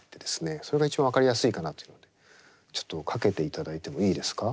それが一番分かりやすいかなということでちょっとかけていただいてもいいですか？